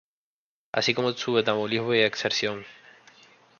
Así como su metabolismo y excreción.